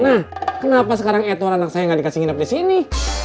nah kenapa sekarang eto'o anak saya gak dikasih nginep disini